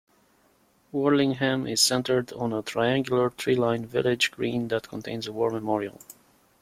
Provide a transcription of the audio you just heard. Warlingham is centred on a triangular, tree-lined village green that contains a war memorial.